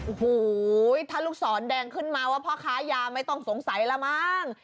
โอ้โหถ้าลูกศรแดงขึ้นมาว่าพ่อค้ายาไม่ต้องสงสัยละมั้ง